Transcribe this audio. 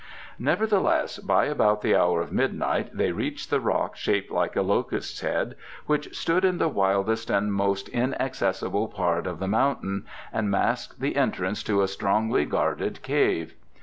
Nevertheless, by about the hour of midnight they reached the rock shaped like a locust's head, which stood in the wildest and most inaccessible part of the mountain, and masked the entrance to a strongly guarded cave.